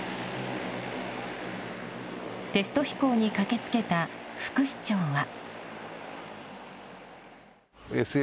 テスト飛行に駆け付けた副市長は。